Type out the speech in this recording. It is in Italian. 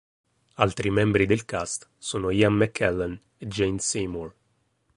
Altri membri del cast sono Ian McKellen e Jane Seymour.